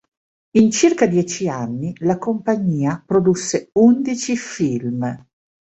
In circa dieci anni, la compagnia produsse undici film.